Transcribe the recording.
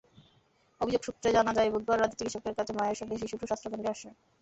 অভিযোগ সূত্রে জানা যায়, বুধবার রাতে চিকিৎসকের কাছে মায়ের সঙ্গে শিশুটিও স্বাস্থ্যকেন্দ্রে আসে।